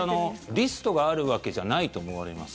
リストがあるわけじゃないと思われます。